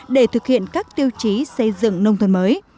để thực hiện các tiêu chí xây dựng nông thôn mới